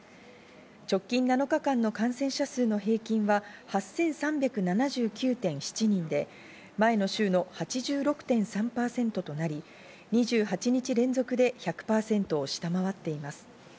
直近７日間の感染者数の平均は８３７９．７人で、前の週の８６．３％となり、２８日連続で１００％を下回っています。